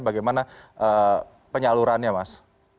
bagaimana penyalurannya mas